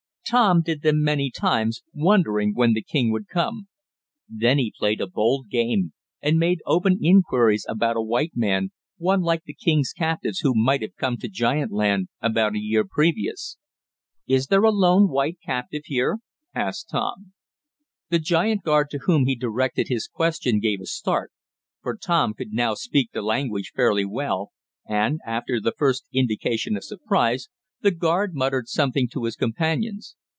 Tom did them many times, wondering when the king would come. Then he played a bold game, and made open inquiries about a white man, one like the king's captives, who might have come to giant land about a year previous. "Is there a lone white captive here?" asked Tom. The giant guard to whom he directed his question gave a start, for Tom could now speak the language fairly well, and, after the first indication of surprise, the guard muttered something to his companions.